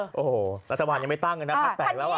โอ้โหรัฐบาลยังไม่ตั้งเลยนะพักแตกแล้วอ่ะ